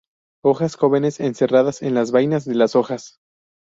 Hojas jóvenes encerradas en las vainas de las hojas.